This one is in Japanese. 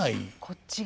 こっちが。